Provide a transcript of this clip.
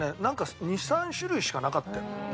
なんか２３種類しかなかったよ。